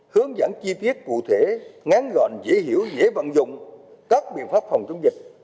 hướng dẫn chi tiết cụ thể ngắn gọn dễ hiểu dễ vận dụng các biện pháp phòng chống dịch